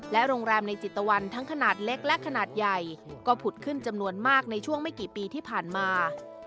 โรงแรมในจิตตะวันทั้งขนาดเล็กและขนาดใหญ่ก็ผุดขึ้นจำนวนมากในช่วงไม่กี่ปีที่ผ่านมา